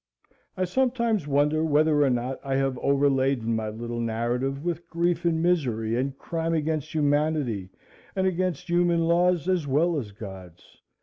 I sometimes wonder whether or not I have overladen my little narrative with grief and misery and crime against humanity and against human laws, as well as God's.